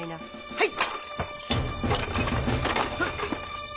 はい！